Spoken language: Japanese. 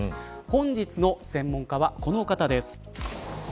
本日の専門家はこの方です。